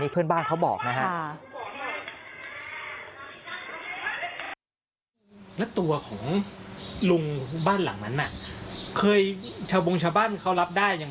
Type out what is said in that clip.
เพื่อนบ้านเขาบอกนะครับ